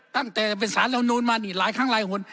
ตั้งแต่เป็นสารลำนูนมานี่หลายครั้งหลายคน